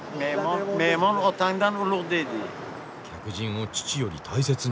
「客人を父より大切に」。